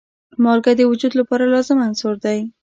مالګه د وجود لپاره لازم عنصر دی.